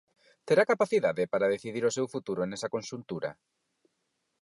Terá capacidade para decidir o seu futuro nesa conxuntura?